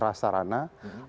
atau kesiapan penyelesaian